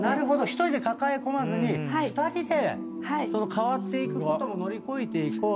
１人で抱え込まずに２人で変わっていくことも乗り越えていこうと。